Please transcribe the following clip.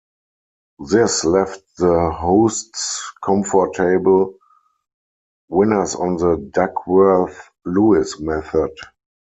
This left the hosts comfortable winners on the Duckworth-Lewis method.